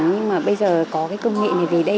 nhưng mà bây giờ có cái công nghệ này về đây